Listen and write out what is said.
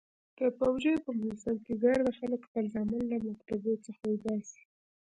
د پوجيو په موسم کښې ګرده خلك خپل زامن له مكتبو څخه اوباسي.